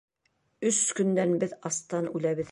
Өс көндән беҙ астан үләбеҙ!